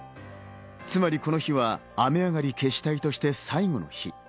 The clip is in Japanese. つまりこの日は雨上がり決死隊として最後の日。